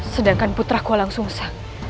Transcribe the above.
sedangkan putraku langsung sang